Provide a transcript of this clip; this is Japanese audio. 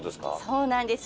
そうなんです。